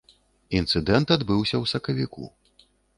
Інцыдэнт адбыўся ў сакавіку.